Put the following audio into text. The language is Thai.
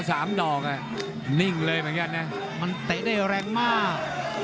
ใส่ได้แรงมาก